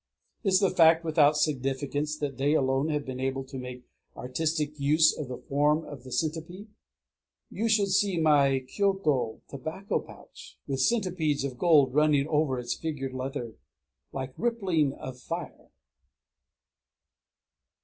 Is the fact without significance that they alone have been able to make artistic use of the form of the centipede?... You should see my Kyōtō tobacco pouch, with centipedes of gold running over its figured leather like ripplings of fire!